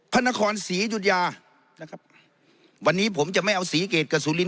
พระนครศรีอยุธยานะครับวันนี้ผมจะไม่เอาศรีเกรดกับสุริน